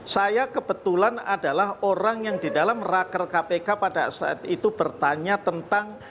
saya kebetulan adalah orang yang di dalam raker kpk pada saat itu bertanya tentang